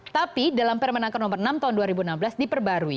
tapi dalam permenaker nomor enam tahun dua ribu enam belas diperbarui